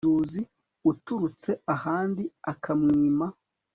mugenzuzi uturutse ahandi akamwima